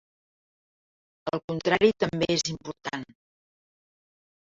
El contrari també és important.